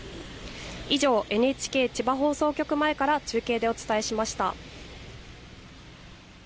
以上、ＮＨＫ千葉放送局前から中継でお伝えしました。